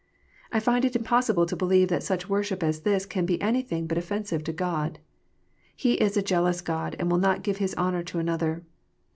I find it impossible to believe that such worship as this can be anything but offensive to God. He is a jealous God, and will not give His honour to another.